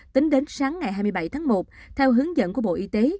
tính đến sáng ngày hai mươi bảy tháng một theo hướng dẫn của bộ y tế